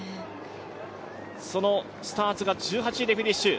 そのスターツが１８位でフィニッシュ。